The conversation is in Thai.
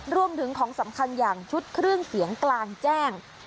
รวมถึงของสำคัญอย่างชุดเครื่องเสียงกลางแจ้ง